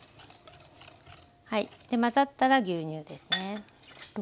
で混ざったら牛乳ですね。